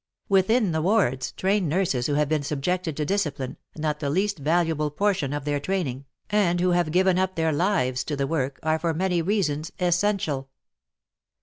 Within the zvards trained nurses who have been subjected to discipline, not the least valuable portion of their training, and who 234 WAR AND WOMEN have given up their lives to the work, are for many reasons essential.